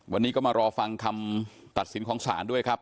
วันนี้ก็มารอฟังคำตัดสินของศาลด้วยครับ